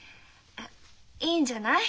いいんじゃない？